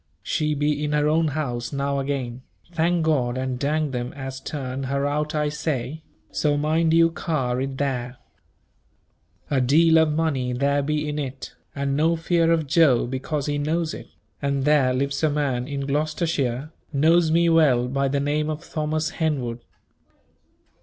She be in her own house now again, thank God and dang them as turned her out I say, so mind you carr it there. A deal of money there be in it, and no fear of Joe because he knows it, and there lives a man in Gloucestershire knows me well by the name of Thomas Henwood.